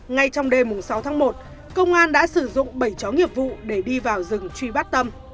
ngay trong đêm sáu tháng một công an đã sử dụng bảy chó nghiệp vụ để đi vào rừng truy bắt tâm